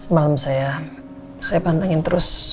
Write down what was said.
malam saya saya pantengin terus